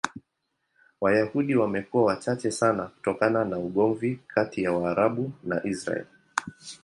Wayahudi wamekuwa wachache sana kutokana na ugomvi kati ya Waarabu na Israel.